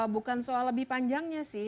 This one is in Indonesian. bukan soal lebih panjangnya sih